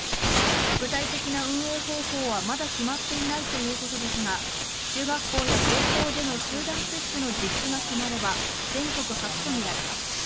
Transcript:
具体的な運営方法はまだ決まっていないということですが中学校や高校での集団接種の実施が決まれば全国初とみられます。